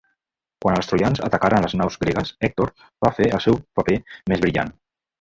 Quan els troians atacaren les naus gregues, Hèctor va fer el seu paper més brillant.